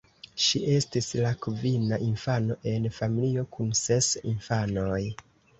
Ŝi estis la kvina infano en familio kun ses infanoj.